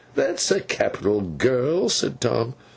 'That's a capital girl,' said Tom.